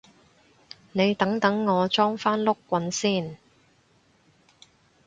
你等等我裝返碌棍先